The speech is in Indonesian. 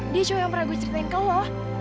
dia juga yang pernah gue ceritain ke lo